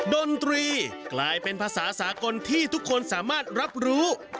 ดนตรีกลายเป็นภาษาสากลที่ทุกคนสามารถรับรู้